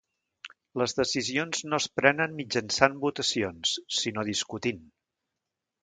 Les decisions no es prenen mitjançant votacions, sinó discutint.